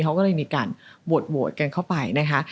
เขาก็เลยมีการโหวตกันเข้าไปนะคะ